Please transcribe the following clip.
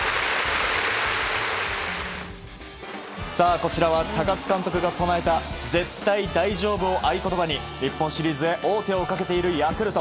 こちらは高津監督が唱えた絶対大丈夫を合言葉に日本シリーズへ王手をかけているヤクルト。